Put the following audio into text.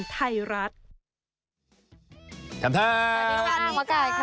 เธอค่อยครับสวัสดีครับ